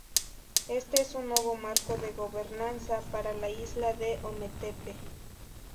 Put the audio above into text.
Este es un nuevo marco de Gobernanza para la Isla de Ometepe.